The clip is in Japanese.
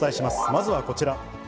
まずはこちら。